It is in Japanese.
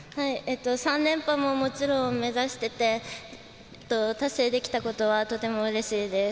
３連覇ももちろん目指してて達成できたことはとてもうれしいです。